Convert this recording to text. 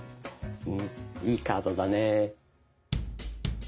うんいいカードだね。